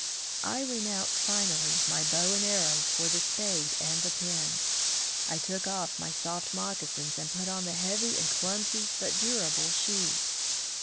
I renounced finally my bow and arrows for the spade and the pen; I took off my soft moccasins and put on the heavy and clumsy but durable shoes.